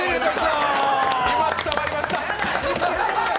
今、伝わりました。